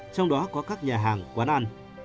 trong đó có các nhà hàng quán ăn